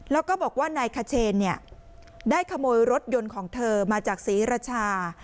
แล้วก็บอกว่านายขเชนได้ขโมยรถยนต์ของเธอมาจากศรีราชา